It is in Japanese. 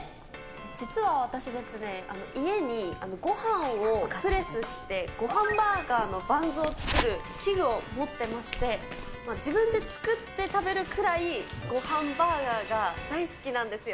実は私、家にごはんをプレスしてごはんバーガーのバンズを作る器具を持ってまして、自分で作って食べるくらい、ごはんバーガーが大好きなんですよ。